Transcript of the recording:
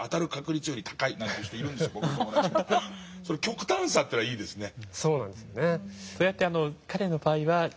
極端さというのはいいですね。